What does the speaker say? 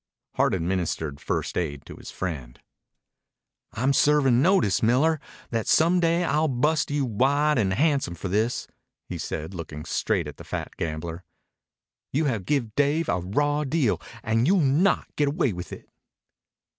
Hart administered first aid to his friend. "I'm servin' notice, Miller, that some day I'll bust you wide and handsome for this," he said, looking straight at the fat gambler. "You have give Dave a raw deal, and you'll not get away with it."